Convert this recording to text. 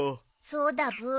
そうだブー。